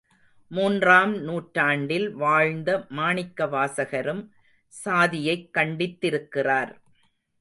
மூன்றாம் நூற்றாண்டில் வாழ்ந்த மாணிக்கவாசகரும் சாதியைக் கண்டித்திருக்கிறார்.